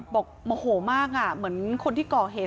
โมโหมากเหมือนคนที่ก่อเหตุ